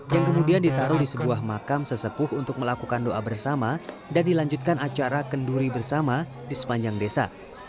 yang kemudian ditaruh di sebuah makam sesepuh untuk melakukan doa bersama dan dilanjutkan acara kenduri bersama di sepanjang desa